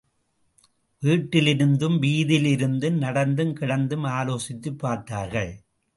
வீட்டிலிருந்தும், வீதியிலிருந்தும் நடந்தும், கிடந்தும் ஆலோசித்துப் பார்த்தார்கள்.